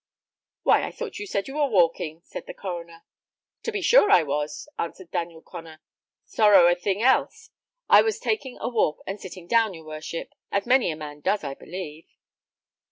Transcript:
"Why, I thought you said you were walking," said the coroner. "To be sure I was," answered Daniel Connor; "sorrow a thing else. I was taking a walk and sitting down, your worship, as many a man does, I believe."